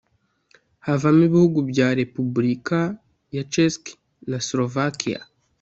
havamo ibihugu bya Repubulika ya Czech na Slovakia